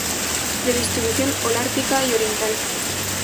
De distribución holártica y oriental.